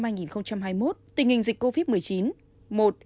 tình hình dịch covid một mươi chín